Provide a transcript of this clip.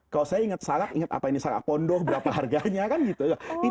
kalau saya inget salak inget apa ini salak kondoh berapa harganya kan gitu